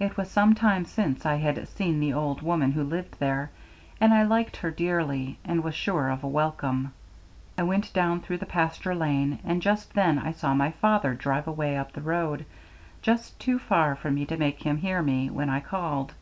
It was some time since I had seen the old woman who lived there, and I liked her dearly, and was sure of a welcome. I went down through the pasture lane, and just then I saw my father drive away up the road, just too far for me to make him hear when I called.